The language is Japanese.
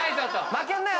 負けんなよ！